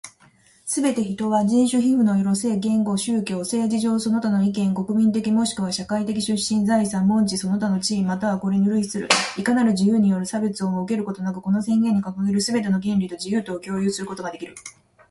すべて人は、人種、皮膚の色、性、言語、宗教、政治上その他の意見、国民的若しくは社会的出身、財産、門地その他の地位又はこれに類するいかなる事由による差別をも受けることなく、この宣言に掲げるすべての権利と自由とを享有することができる。